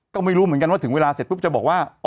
ก็ไม่รู้เหมือนกันว่าถึงเวลาเสร็จปุ๊บจะบอกว่า